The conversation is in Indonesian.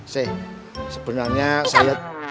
seh sebenarnya saya